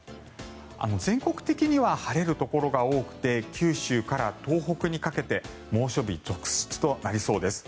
全国的には晴れるところが多くて九州から東北にかけて猛暑日続出となりそうです。